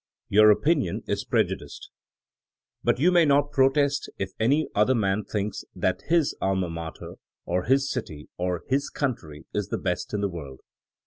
Your opinion is prejudiced. But you may not protest if any other man thinks that his alma mater, or his city, or hi^ country, is the best in the world.